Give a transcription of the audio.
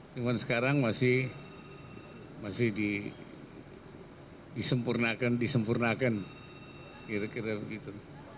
cuma sekarang masih disempurnakan disempurnakan kira kira begitu